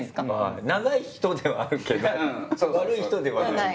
長い人ではあるけど悪い人ではない。